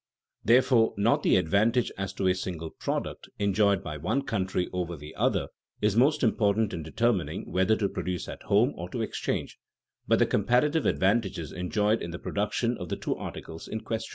Therefore not the advantage as to a single product, enjoyed by one country over the other is most important in determining whether to produce at home or to exchange, but the comparative advantages enjoyed in the production of the two articles in question.